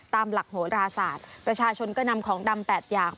ตามหลักโหราศาสตร์ประชาชนก็นำของดำ๘อย่าง